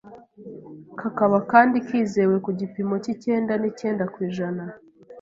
kakaba kandi kizewe ku gipimo cy’icyenda n’icyenda kw’ijana